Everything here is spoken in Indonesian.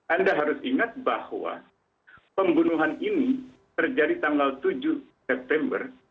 anda harus ingat bahwa pembunuhan ini terjadi tanggal tujuh september